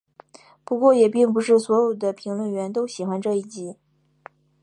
不过也并不是所有的评论员都喜欢这一集。